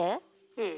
うん。